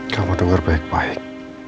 kamu dengar baik baik